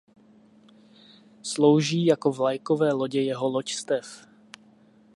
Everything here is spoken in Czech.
Slouží jako vlajkové lodě jeho loďstev.